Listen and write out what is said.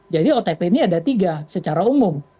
otp ini ada tiga secara umum